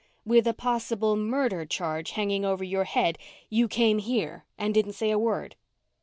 "With a possible murder charge hanging over your head, you came here and didn't say a word!"